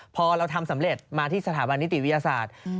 พอเราทำสำเร็จมาที่สถาบันนิติวิทยาศาสตร์